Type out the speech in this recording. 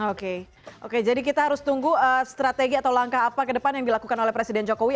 oke oke jadi kita harus tunggu strategi atau langkah apa ke depan yang dilakukan oleh presiden jokowi